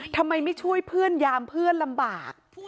ทำไมไม่ช่วยเพื่อนยามเพื่อนลำบาก